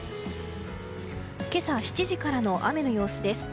今朝７時からの雨の様子です。